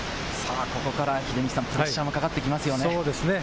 ここからプレッシャーもかかってきますね。